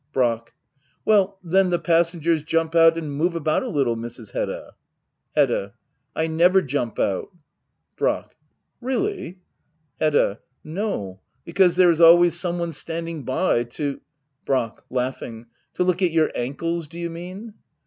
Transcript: Brack. Well^ then the passengers jump out and move about a little, Mrs. Hedda. Hedda. I never jump out. Brack. ReaUy? Hedda. No — because there is always some one standing Brack. To look at your ankles^ do you mean?